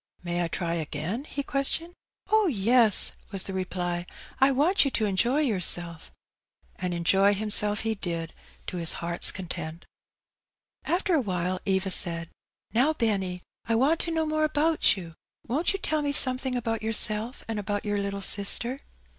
May I try again?" he questioned. Oh, yes," was the reply ;" I want you to enjoy yourself. And enjoy himself he did, to his heart's content. After awhile Eva said, ''Now, Benny, I want to know more about you: won't you tell me something about your self and about your little sister?"